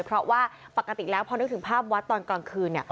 เพราะว่าปกติแล้วพอนึกถึงภาพวัดตอนกลางคืน